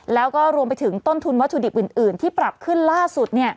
แล้วก็รวมไปถึงต้นทุนวัตถุดิบอื่นที่ปรับขึ้นล่าสุด